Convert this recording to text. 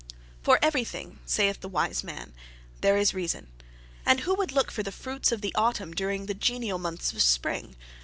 For every thing, saith the wise man, there is reason; and who would look for the fruits of autumn during the genial months of spring?